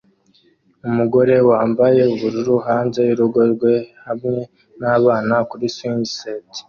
Umugore wambaye ubururu hanze yurugo rwe hamwe nabana kuri swing set